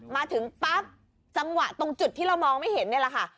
มาถึงปั๊บจังหวะตรงจุดที่เรามองไม่เห็นนี่แหละค่ะ